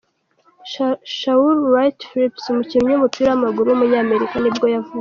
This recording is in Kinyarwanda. Shaun Wright-Phillips, umukinnyi w’umupira w’amaguru w’umunyamerika nibwo yavutse.